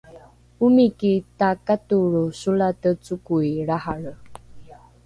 omiki takatolro solate cokoi lrahalre